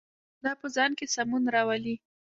دا په ځان کې سمون راولي.